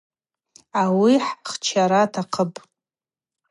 Ауи хӏхчара атахъыпӏ.